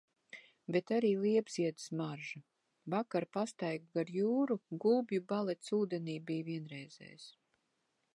Bet arī liepziedu smaržu. Vakara pastaiga gar jūru, gulbju balets ūdenī bija vienreizējs.